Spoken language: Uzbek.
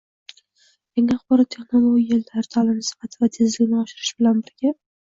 Yangi yaxborot texnologiyalari ta’lim sifati va tezligini oshirishi bilan birga